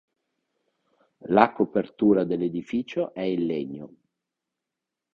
La copertura dell'edificio è in legno.